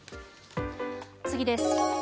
次です。